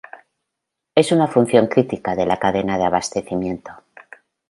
Es una función crítica de la cadena de abastecimiento.